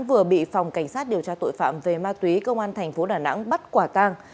vừa bị phòng cảnh sát điều tra tội phạm về ma túy công an thành phố đà nẵng bắt quả tang